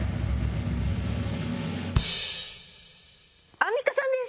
アンミカさんです。